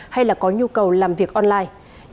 hay là có nhu cầu làm việc online